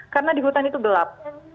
karena di hutan itu gelap